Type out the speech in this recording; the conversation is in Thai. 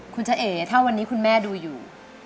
คุณชะเอ๋ถ้าวันนี้คุณแม่ดูอยู่